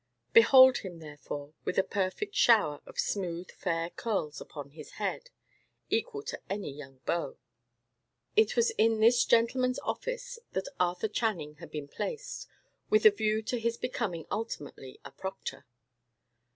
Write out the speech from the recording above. Behold him, therefore, with a perfect shower of smooth, fair curls upon his head, equal to any young beau. It was in this gentleman's office that Arthur Channing had been placed, with a view to his becoming ultimately a proctor.